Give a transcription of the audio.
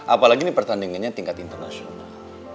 apalagi ini pertandingannya tingkat internasional